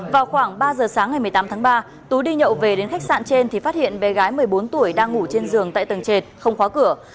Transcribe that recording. vào khoảng ba giờ sáng ngày một mươi tám tháng ba tú đi nhậu về đến khách sạn trên thì phát hiện bé gái một mươi bốn tuổi đang ngủ trên giường tại tầng trệt không khóa cửa